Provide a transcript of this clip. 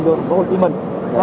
được thành phố hồ chí minh